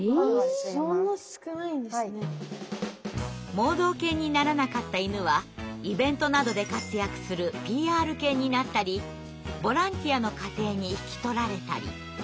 盲導犬にならなかった犬はイベントなどで活躍するＰＲ犬になったりボランティアの家庭に引き取られたり。